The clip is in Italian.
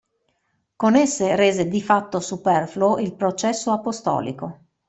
Con esse rese di fatto superfluo il processo apostolico.